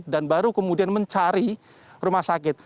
dan baru kemudian mencari rumah sakit